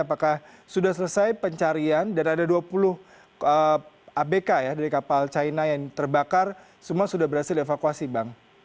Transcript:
apakah sudah selesai pencarian dan ada dua puluh abk dari kapal china yang terbakar semua sudah berhasil dievakuasi bang